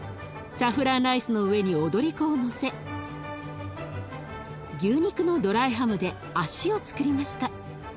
サフランライスの上に踊り子をのせ牛肉のドライハムで足をつくりました。